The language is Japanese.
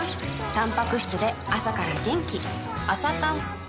たんぱく質で朝から元気